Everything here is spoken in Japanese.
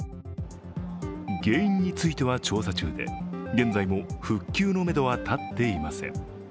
原因については調査中で現在も復旧のめどは立っていません。